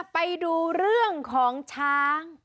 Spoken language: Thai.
ไปดูเรื่องของช้าง